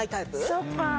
そっか。